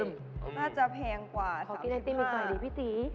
น่าจะแพงกว่า๓๕บาท